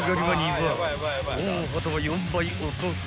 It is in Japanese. ［大畑は４倍お得に］